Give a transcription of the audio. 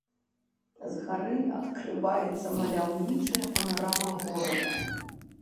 З гары адкрываецца маляўнічая панарама горада.